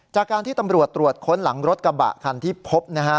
จากการที่ตำรวจตรวจค้นหลังรถกระบะคันที่พบนะฮะ